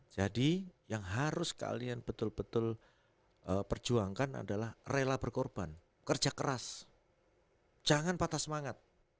yang harus kalian betul betul perjuangkan adalah rela berkorban kerja keras jangan patah semangat